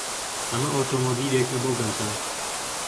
ئەمە ئۆتۆمۆبیلێکە بۆ گەنجان.